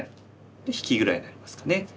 で引きぐらいになりますかね。